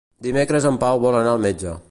Dimecres en Pau vol anar al metge.